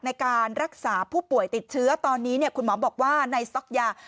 ในการรักษาผู้ป่วยติดเชื้อตอนนี้คุณหมอบอกว่าในสต๊อกยา